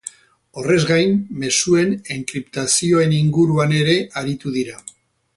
Horrez gain, mezuen enkriptazioen inguruan ere aritu dira.